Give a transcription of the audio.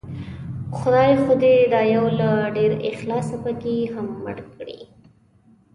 خدای خو دې دا يو له ډېر اخلاصه پکې هم مړ کړي